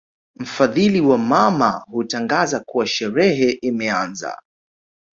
Mfadhili wa mama hutangaza kuwa sherehe imeanza